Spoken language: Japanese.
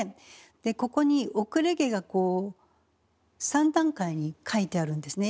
でここに後れ毛がこう３段階に描いてあるんですね